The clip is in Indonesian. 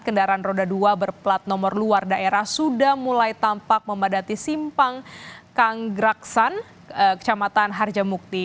kendaraan roda dua berplat nomor luar daerah sudah mulai tampak memadati simpang kangsan kecamatan harjamukti